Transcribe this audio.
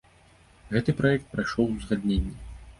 Гэты праект прайшоў узгадненне.